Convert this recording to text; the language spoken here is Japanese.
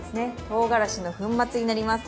とうがらしの粉末になります。